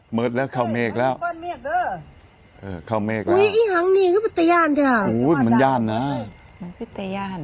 หมดแล้วเขาเมฆแล้วเออเขาเมฆแล้วอุ้ยมันย่านน่ะมันคือตะย่าน